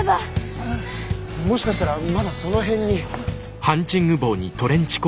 もしかしたらまだその辺に。